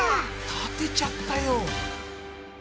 立てちゃったよ！